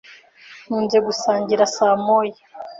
Nkunze gusangira saa moya.